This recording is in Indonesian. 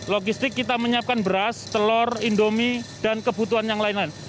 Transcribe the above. logistik kita menyiapkan beras telur indomie dan kebutuhan yang lain lain